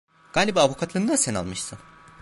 Galiba avukatlığını da sen almışsın…